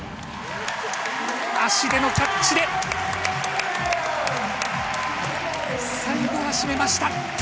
足でのキャッチで最後は締めました。